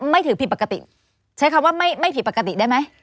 ไม่ถือผิดปกติใช้คำว่าไม่ผิดปกติได้ไหม